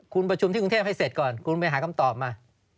คุณประชุมที่กรุงเทพให้เสร็จก่อนคุณไปหาคำตอบมา